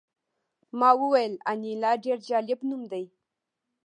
ما وویل انیلا ډېر جالب نوم دی